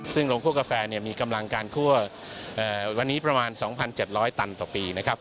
ซึ่งลงคั่วกาแฟมีกำลังการคั่ววันนี้ประมาณ๒๗๐๐ตันต่อปีนะครับ